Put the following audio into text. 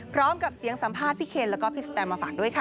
พร้อมกับเสียงสัมภาษณ์พี่เคนแล้วก็พี่สแตมมาฝากด้วยค่ะ